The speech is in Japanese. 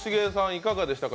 いかがでしたか？